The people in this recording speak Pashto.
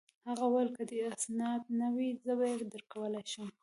هغه وویل: که دي اسناد نه وي، زه يې درکولای شم.